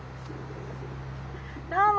どうも。